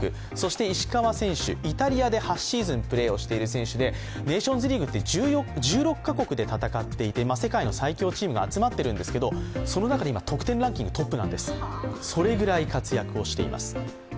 石川選手、イタリアで８シーズンプレーをしている選手でネーションズリーグって１６か国で戦っていて世界の最強チームが集まっているんですけれども、その中で今、得点ランキングトップなんです、それぐらい活躍している選手です。